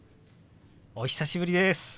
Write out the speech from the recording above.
お久しぶりです！